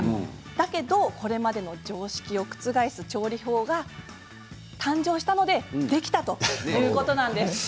だけど、これまでの常識を覆す調理法が誕生したので、できたということなんです。